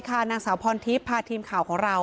นางสาวพรทิพย์พาทีมข่าวของเรา